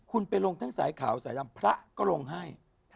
คุณไปลงทั้งสายขาวสายดำพระก็ลงให้